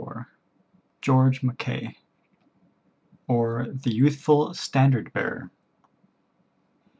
GEORGE MACKAY; OR, THE YOUTHFUL STANDARD BEARER.